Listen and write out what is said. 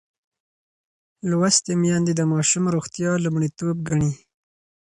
لوستې میندې د ماشوم روغتیا لومړیتوب ګڼي.